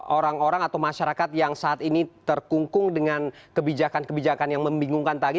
orang orang atau masyarakat yang saat ini terkungkung dengan kebijakan kebijakan yang membingungkan tadi